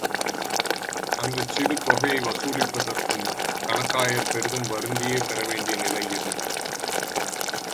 அந்தச் சிறு தொகையை வசூலிப்பதற்கும் கணக்காயர் பெரிதும் வருந்தியே பெறவேண்டிய நிலை இருந்தது.